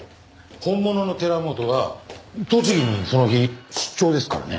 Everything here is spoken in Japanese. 本物の寺本は栃木にその日出張ですからね。